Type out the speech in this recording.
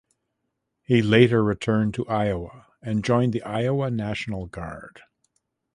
He later returned to Iowa and joined the Iowa National Guard.